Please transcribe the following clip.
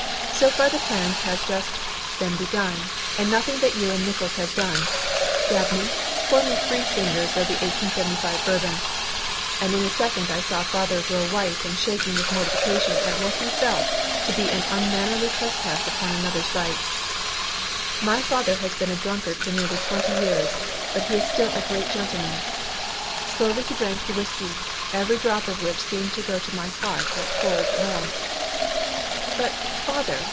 So far the plans have just been begun, and nothing that you and Nickols have done Dabney, pour me three fingers of the 1875 Bourbon." And in a second I saw father grow white and shaking with mortification at what he felt to be an unmannerly trespass upon another's rights. My father has been a drunkard for nearly twenty years, but he is still a great gentleman. Slowly he drank the whiskey, every drop of which seemed to go to my heart like cold lead. "But, father!"